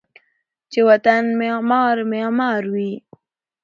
چې و طن معمار ، معمار وی